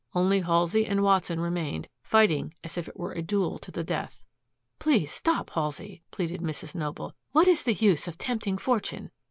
Only Halsey and Watson remained, fighting as if it were a duel to the death. "Please stop, Halsey," pleaded Mrs. Noble. "What is the use of tempting fortune?"